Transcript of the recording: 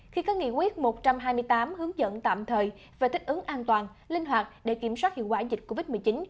khi có nghị quyết một trăm hai mươi tám hướng dẫn tạm thời và thích ứng an toàn linh hoạt để kiểm soát hiệu quả dịch covid một mươi chín